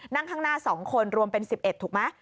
นั่งข้างหน้า๒คนรวมเป็น๑๑ถูกไหม